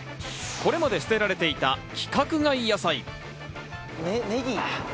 これまで捨てられていた規格外野菜。